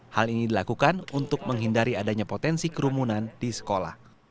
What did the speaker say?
hal ini dilakukan untuk menghindari adanya potensi kerumunan di sekolah